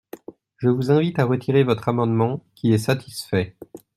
Je vous invite à retirer votre amendement, qui est satisfait.